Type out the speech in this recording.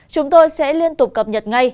chúng tôi sẽ liên tục cập nhật ngay